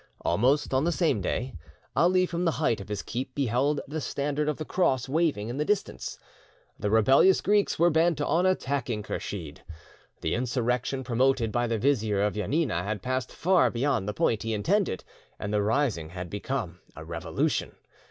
Almost on the same day, Ali from the height of his keep beheld the standard of the Cross waving in the distance. The rebellious Greeks were bent on attacking Kursheed. The insurrection promoted by the Vizier of Janina had passed far beyond the point he intended, and the rising had become a revolution.